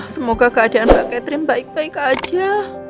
semoga keadaan mbak catherine baik baik aja